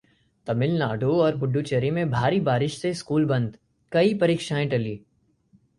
तमिलनाडु और पुडुचेरी में भारी बारिश से स्कूल बंद, कई परीक्षाएं टलीं